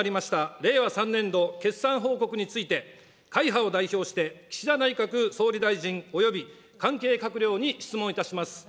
令和３年度決算報告について、会派を代表して岸田内閣総理大臣および関係閣僚に質問いたします。